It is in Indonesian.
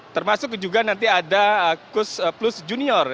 termasuk juga nanti ada kus plus junior